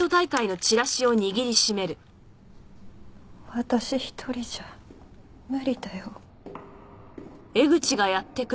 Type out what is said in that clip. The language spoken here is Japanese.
私一人じゃ無理だよ。